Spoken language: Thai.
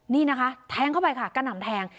นี่นะคะแทงเข้าไปค่ะกระหน่ำแทง